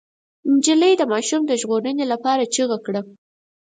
نجلۍ د ماشوم د ژغورنې لپاره چيغه کړه.